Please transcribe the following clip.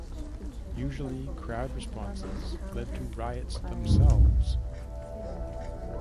Usually crowd responses led to riots themselves.